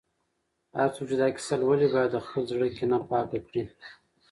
هر څوک چې دا کیسه لولي، باید د خپل زړه کینه پاکه کړي.